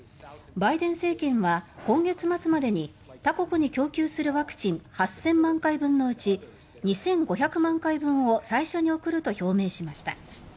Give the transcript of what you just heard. バイデン政権は、今月末までに他国に供給するワクチン８０００万回分のうち２５００万回分を最初に送ると表明しました。